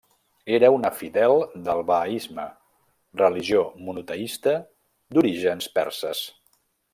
Era una fidel del Bahaisme, religió monoteista d'orígens perses.